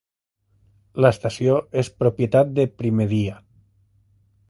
L'estació és propietat de Primedia.